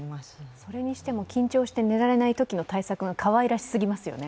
それにしても緊張して寝られないときの対策がかわいらしすぎますよね。